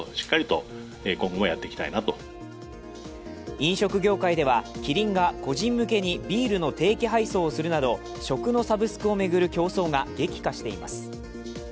飲食業界ではキリンが個人向けにビールの定期配送をするなど食のサブスクを巡る競争が激化しています。